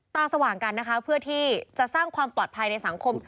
สว่างกันนะคะเพื่อที่จะสร้างความปลอดภัยในสังคม